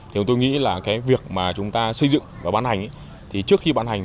thì tôi nghĩ là cái việc mà chúng ta xây dựng và ban hành thì trước khi ban hành